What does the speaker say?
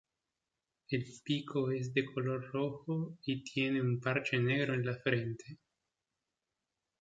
El pico es de color rojo, y tiene un parche negro en la frente.